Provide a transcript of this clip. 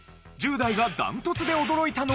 １０代が断トツで驚いたのはどっち？